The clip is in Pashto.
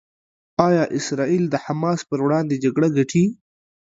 ایا اسرائیل د حماس پر وړاندې جګړه ګټي؟